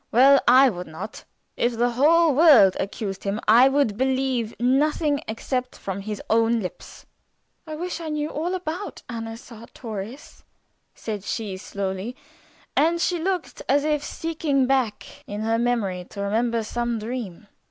"Well, I would not. If the whole world accused him I would believe nothing except from his own lips." "I wish I knew all about Anna Sartorius," said she, slowly, and she looked as if seeking back in her memory to remember some dream.